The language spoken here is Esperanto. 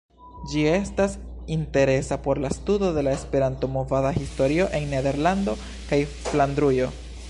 Ĝi estas interesa por la studo de la Esperanto-movada historio en Nederlando kaj Flandrujo.